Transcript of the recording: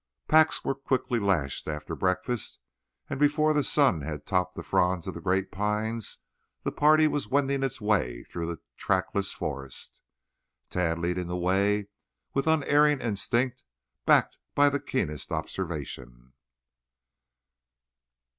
Packs were quickly lashed after breakfast, and before the sun had topped the fronds of the great pines the party was wending its way through the trackless forest, Tad leading the way with unerring instinct, backed by keenest observation.